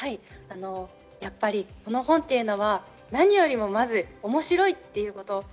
やっぱりこの本というのは何よりもまず、面白いということ。